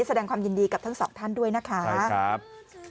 แสดงความยินดีกับทั้งสองท่านด้วยนะคะครับ